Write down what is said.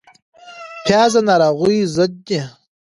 پیاز د ناروغیو ضد ده